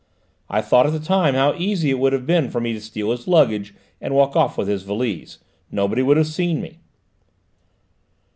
I thought at the time how easy it would have been for me to steal his luggage and walk off with his valise: nobody would have seen me."